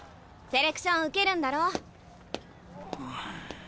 セレクション受けるんだろ？